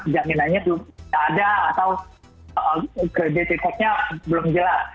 jaminannya belum ada atau kredit kreditnya belum jelas